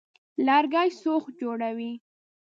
لرګي سوخت جوړوي.